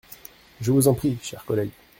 Je vous en prie, cher collègue.